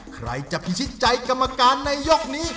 ใครจะพิชิตใจกรรมการในยกนี้